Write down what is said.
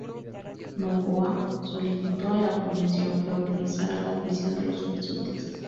Noboa solicitó a la Convención que autorizara la admisión de los jesuitas.